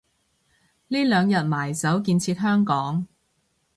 呢兩日埋首建設香港